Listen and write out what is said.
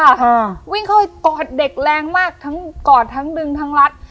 ค่ะวิ่งเข้าไปกอดเด็กแรงมากทั้งกอดทั้งดึงทั้งรัด